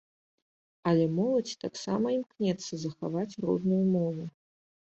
Але моладзь таксама імкнецца захаваць родную мову.